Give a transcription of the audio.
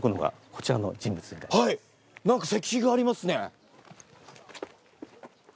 何か石碑がありますね。